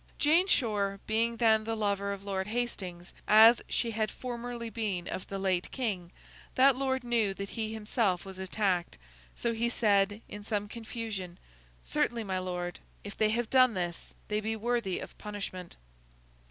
Jane Shore, being then the lover of Lord Hastings, as she had formerly been of the late King, that lord knew that he himself was attacked. So, he said, in some confusion, 'Certainly, my Lord, if they have done this, they be worthy of punishment.